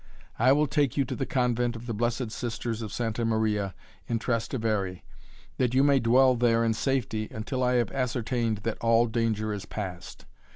I will take you to the convent of the Blessed Sisters of Santa Maria in Trastevere, that you may dwell there in safety until I have ascertained that all danger is past.